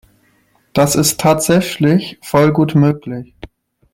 Das ist tatsächlich voll gut möglich.